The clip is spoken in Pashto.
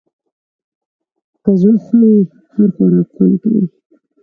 که زړه ښه وي، هر خوراک خوند کوي.